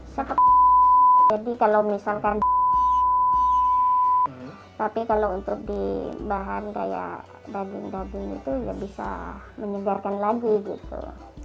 seperti jadi kalau misalkan tapi kalau untuk di bahan kayak daging daging itu nggak bisa menyegarkan lagi gitu